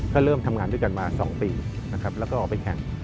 ก็เริ่มทำงานด้วยกันมาสองปีแล้วก็ออกไปแข็ง